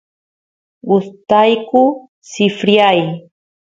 gustayku sifryay